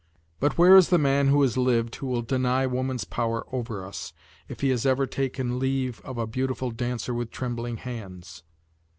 But where is the man who has lived who will deny woman's power over us, if he has ever taken leave of a beautiful dancer with trembling hands.